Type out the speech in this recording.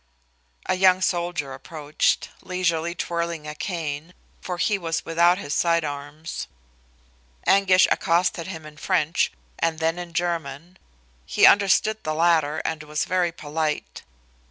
A young soldier approached, leisurely twirling a cane, for he was without his side arms. Anguish accosted him in French and then in German. He understood the latter and was very polite.